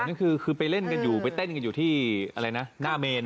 นั่นคือไปเล่นกันอยู่ไปเต้นกันอยู่ที่อะไรนะหน้าเมน